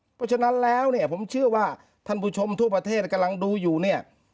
เพราะฉะนั้นแล้วเนี่ยผมเชื่อว่าท่านผู้ชมทั่วประเทศกำลังดูอยู่เนี่ย